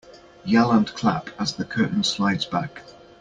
Yell and clap as the curtain slides back.